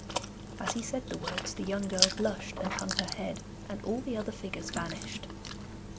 As he said the words the young girl blushed and hung her head, and all the other figures vanished.